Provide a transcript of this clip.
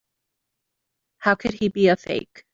How could he be a fake?